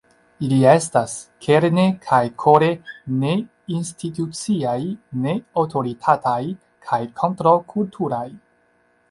Ili estas, kerne kaj kore, ne-instituciaj, ne-aŭtoritataj, kaj kontraŭ-kulturaj.